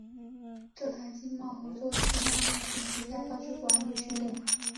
浙台经贸合作区纳入省级开发区管理序列。